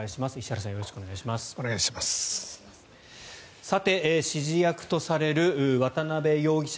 さて、指示役とされる渡邉容疑者